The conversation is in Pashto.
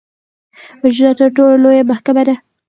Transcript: وجدان تر ټولو لويه محکمه ده.